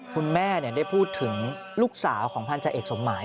อ๋อคุณแม่ดีกว่ารู้สาวของพันธกสมัน